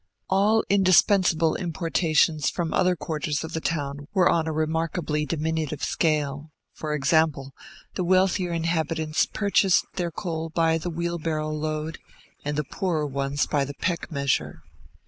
All indispensable importations from other quarters of the town were on a remarkably diminutive scale: for example, the wealthier inhabitants purchased their coal by the wheelbarrow load, and the poorer ones by the peck measure.